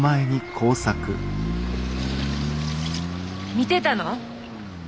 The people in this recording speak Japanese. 見てたの？